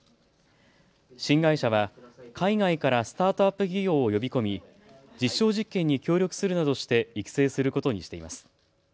新会社は海外からスタートアップ企業を呼び込み実証実験に協力するなどして育成することにしています。